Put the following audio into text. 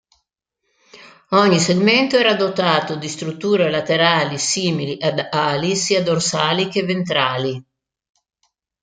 Ogni segmento era dotato di strutture laterali simili ad ali, sia dorsali che ventrali.